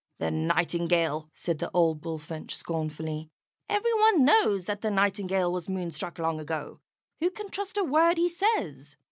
"The Nightingale!" said the old Bullfinch, scornfully. "Every one knows that the Nightingale was moonstruck long ago. Who can trust a word he says?"